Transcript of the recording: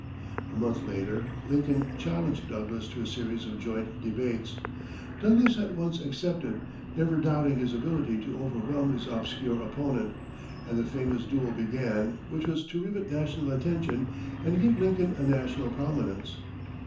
A month later, Lincoln challenged Douglas to a series of joint debates. Douglas at once accepted, never doubting his ability to overwhelm his obscure opponent, and the famous duel began which was to rivet national attention and give Lincoln a national prominence.